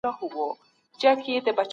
نوښتونه په مطالعه کي پټ دي.